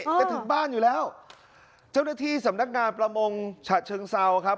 จะถึงบ้านอยู่แล้วเจ้าหน้าที่สำนักงานประมงฉะเชิงเซาครับ